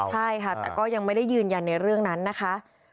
ใช่ค่ะแต่ก็ยังไม่ได้ยืนยันในเรื่องนั้นนะคะ